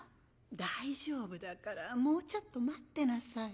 大丈夫だからもうちょっと待ってなさい。